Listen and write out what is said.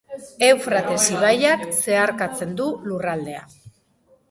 Eufrates ibaiak zeharkatzen du lurraldea.